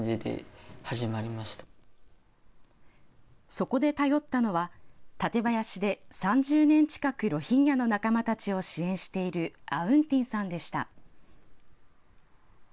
そこで頼ったのは館林で３０年近くロヒンギャの仲間たちを支援しているアウン・ティンさんでした。